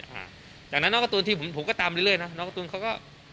อ่าจากนั้นน้องกระตูนที่ผมผมก็ตามเรื่อยเรื่อยนะน้องกระตูนเขาก็